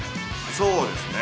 そうですね。